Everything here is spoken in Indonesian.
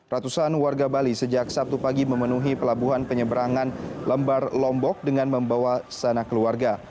ratusan warga bali sejak sabtu pagi memenuhi pelabuhan penyeberangan lembar lombok dengan membawa sanak keluarga